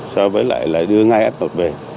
so với lại là đưa ngay f một về